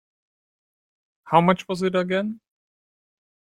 How much was it again?